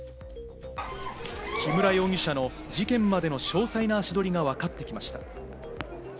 木村容疑者の事件までの詳細な足取りがわかってきました。